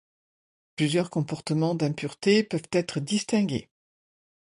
Plusieurs comportements d'impuretés peuvent être distingués.